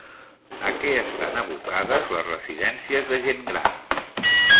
A què estan abocades les residències de gent gran?